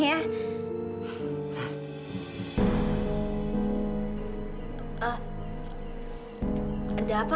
liat terus lo omongan kakek